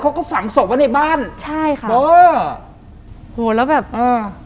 เขาก็ฝังศพไว้ในบ้านใช่ค่ะเออโหแล้วแบบเออ